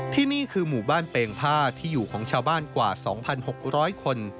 ที่นี่คือหมู่บ้านเปงผ้าที่อยู่ของชาวบ้านกว่า๒๖๐๐คน